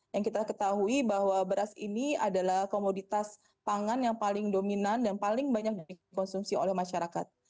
yang kita ketahui bahwa beras ini adalah komoditas pangan yang paling dominan dan paling banyak dikonsumsi oleh masyarakat